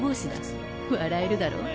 笑えるだろ？